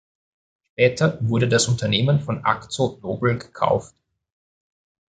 Später wurde das Unternehmen von Akzo Nobel gekauft.